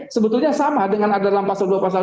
sebetulnya sama dengan ada dalam pasal dua pasal